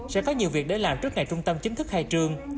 sẽ có nhiều việc để làm trước ngày trung tâm chính thức khai trương